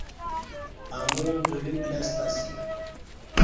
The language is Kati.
امو بلیوک لستہ اسی